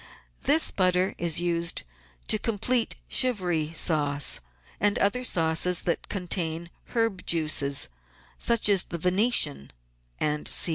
This butter is used to complete Chivry sauce and other sauces that contain herb juices, such as the Venetian, &c.